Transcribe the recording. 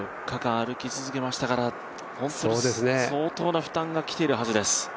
４日間歩き続けましたから、相当な負担が来ているはずです。